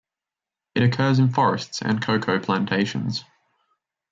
It occurs in forests and cocoa plantations.